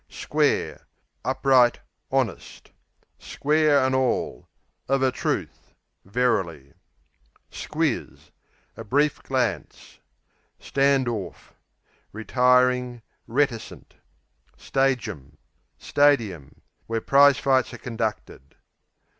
Square Upright, honest. Square an' all Of a truth; verily. Squiz A brief glance. Stand orf Retiring; reticent. Stajum Stadium, where prize fights are conducted.